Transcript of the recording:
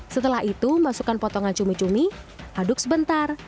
setelah itu masukkan potongan cumi cumi aduk sebentar